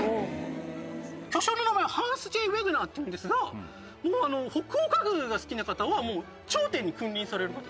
巨匠の名前はハンス・Ｊ・ウェグナーっていうんですが北欧家具が好きな方は頂点に君臨される方で。